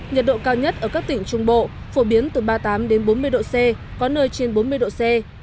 nhiệt độ cao nhất ở các tỉnh trung bộ phổ biến từ ba mươi tám đến bốn mươi độ c có nơi trên bốn mươi độ c